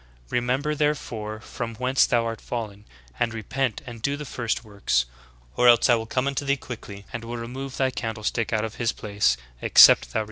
Re member therefore from whence thou art fallen, and repent and do the first works ; or else I will come unto thee quickly, and will remove thy candlestick out of his place, except thou repent."